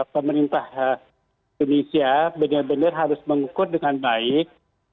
pemerintah indonesia benar benar harus mengukur dengan baik